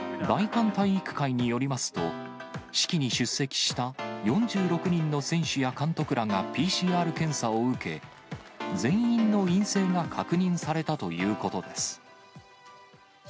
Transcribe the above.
大韓体育会によりますと、式に出席した４６人の選手や監督らがＰＣＲ検査を受け、全員の陰性が確認されたということです。